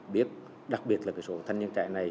biết đặc biệt là số thanh niên trẻ này